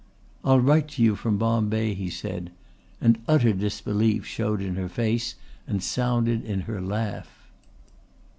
"I'll write to you from Bombay," he said, and utter disbelief showed in her face and sounded in her laugh.